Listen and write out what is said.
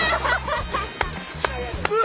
うわ！